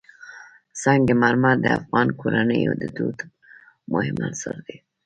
سنگ مرمر د افغان کورنیو د دودونو مهم عنصر دی.